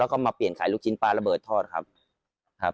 แล้วก็มาเปลี่ยนไข่ลูกชิ้นปลาระเบอร์ททอดครับ